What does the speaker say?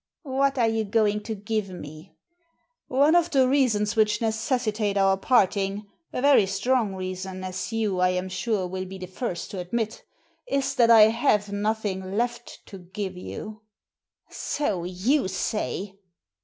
What are you going to give me ?"" One of the reasons which necessitate our parting — a very strong reason, as you, I am sure, will be the first to admit — is that I have nothing left to give you." " So you say."